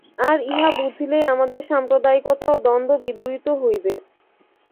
আর ইহা বুঝিলেই আমাদের সাম্প্রদায়িকতা ও দ্বন্দ্ব বিদূরিত হইবে।